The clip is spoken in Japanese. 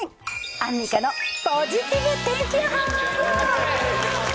アンミカのポジティブ天気予報。